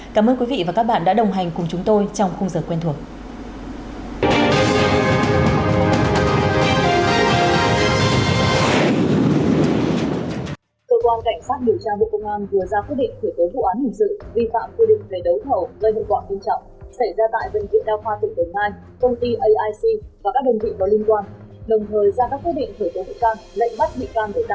cảm ơn quý vị và các bạn đã đồng hành cùng chúng tôi trong khung giờ quen thuộc